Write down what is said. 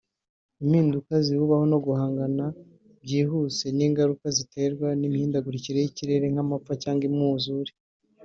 impinduka zibubaho no guhangana byihuse n’ingaruka ziterwa n’imihindagurikire y’ikirere nk’amapfa cyangwa umwuzure